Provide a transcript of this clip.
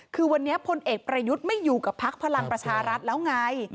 คือวันนี้พลเอกประยุทธ์ไม่อยู่กับพักพลังประชารัฐแล้วไง